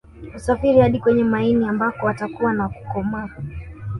Husafiri hadi kwenye maini ambako watakua na kukomaa